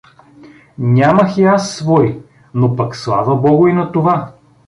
Нямах и аз свои, но пак слава Богу и на това.